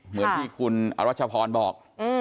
เหมือนที่คุณอรัชพรบอก